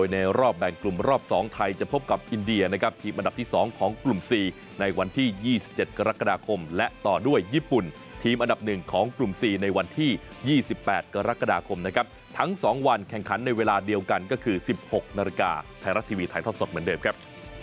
ในเรื่องของการรับและลุกโตกลับ